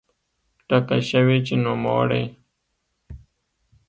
ټاکل شوې چې نوموړی